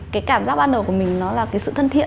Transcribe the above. cái cảm giác ban đầu của mình nó là cái sự thân thiện